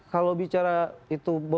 kalau bicara itu berpengaruh